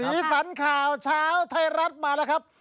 สันข่าวเช้าไทยรัฐมาแล้วครับ